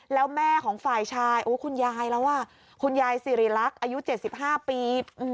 แล้วแม่ของฝ่ายชายคุณยายแล้วคุณยายสิริรักษ์อายุ๗๕ปี